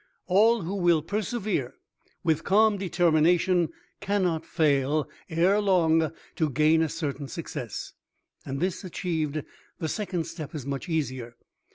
All who will persevere with calm determination cannot fail ere long to gain a certain success, and this achieved, the second step is much easier.